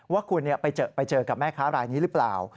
ว่าคุณไปเจอกับแม่ค้ารายนี้หรือเปล่า